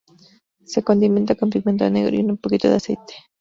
Se condimenta con pimiento negro y un poquito de aceite.